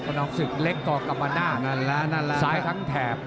กระนองศึกเล็กก่อกลับมาน่าซ้ายทั้งแถบ